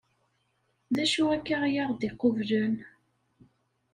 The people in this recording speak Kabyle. D acu akka ay aɣ-d-iqublen?